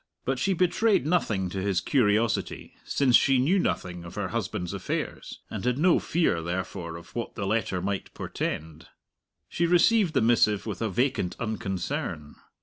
But she betrayed nothing to his curiosity, since she knew nothing of her husband's affairs, and had no fear, therefore, of what the letter might portend. She received the missive with a vacant unconcern.